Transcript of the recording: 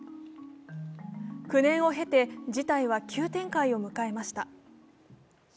９年を経て事態は急展開を迎えました。